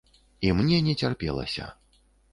І мне не цярпелася.